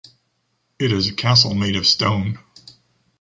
It is a castle made of stone.